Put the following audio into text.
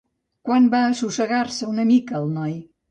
Quan va assossegar-se una mica el noi?